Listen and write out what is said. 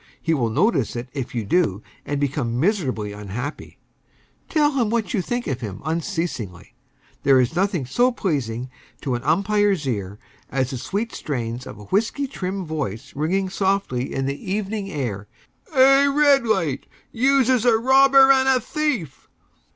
He will notice it if you do, and become miserably unhappy. Tell him what you think of him unceasingly. There is nothing so pleasing to an umpire's ears as the sweet strains of a whiskey trimmed voice ringing softly on the evening air: "Hey, red light, youse is a robber an' a thief!"